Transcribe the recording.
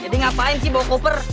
jadi ngapain sih bawa koper